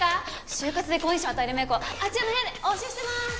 就活で好印象を与えるメイクをあちらの部屋でお教えしてます